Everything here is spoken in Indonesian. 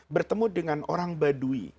bertemu dengan orang badui